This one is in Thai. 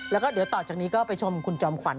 แล้วก็เดี๋ยวต่อจากนี้ก็ไปชมคุณจอมขวัญ